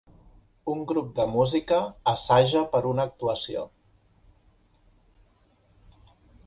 Un grup de música assaja per una actuació.